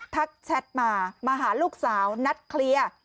แชทมามาหาลูกสาวนัดเคลียร์